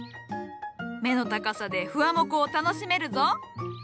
目の高さでふわもこを楽しめるぞ。